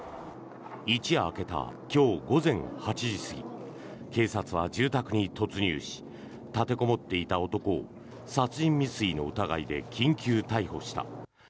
一夜明けた今日午前８時過ぎ警察は住宅に突入し立てこもっていた男を殺人未遂の疑いで緊急逮捕した。